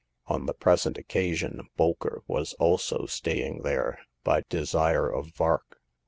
On the present occasion Bolker was also staying there, by desire of Vark.